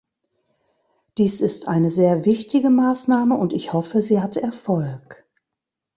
Dies ist eine sehr wichtige Maßnahme, und ich hoffe, sie hat Erfolg.